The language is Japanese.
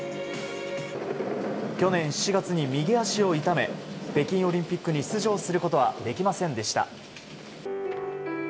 去年７月に右足を痛め北京オリンピックに出場することはできませんでした。